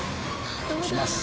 いきます。